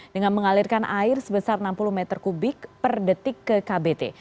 dengan mengalirkan air sebesar enam puluh meter kubik per detik ke kbt